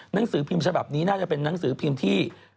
หนังสือพิมพ์ฉบับนี้น่าจะเป็นนังสือพิมพ์ที่